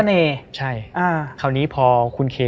เพื่อที่จะให้แก้วเนี่ยหลอกลวงเค